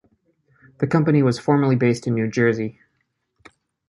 The company was formerly based in New Jersey.